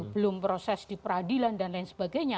belum proses diperadilan dan lain sebagainya